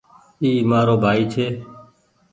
اي مآرو ڀآئي ڇي